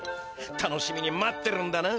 楽しみに待ってるんだな。